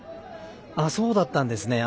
そうだったんですね。